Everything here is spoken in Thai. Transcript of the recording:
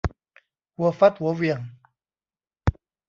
หัวฟัดหัวเหวี่ยง